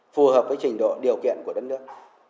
phù hợp với trình độ điều kiện của đất nước